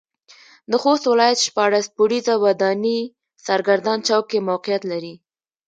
د خوست ولايت شپاړس پوړيزه وداني سرګردان چوک کې موقعيت لري.